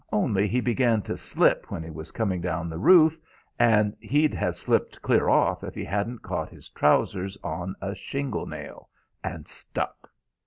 Only he began to slip when he was coming down the roof, and he'd have slipped clear off if he hadn't caught his trousers on a shingle nail, and stuck.